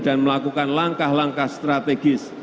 dan melakukan langkah langkah strategis